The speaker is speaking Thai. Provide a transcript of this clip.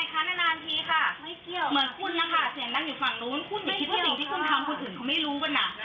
ก็ไม่เข้าใจมาก